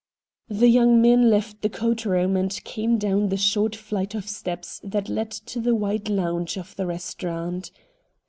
The young men left the coat room and came down the short flight of steps that leads to the wide lounge of the restaurant.